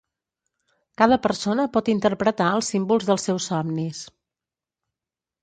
Cada persona pot interpretar els símbols dels seus somnis